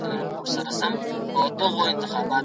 ولې د غوړو سوځولو زون یوازې کافي نه دی؟